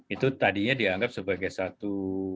itu tadinya dianggap sebagai satu